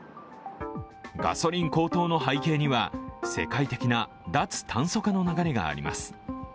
ガソリン高騰の背景には世界的な脱炭素化の流れがあります。